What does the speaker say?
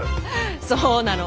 そうなの。